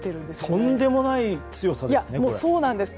とんでもない強さですね。